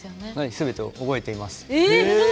すべて覚えています。